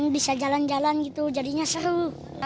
bisa jalan jalan gitu jadinya seru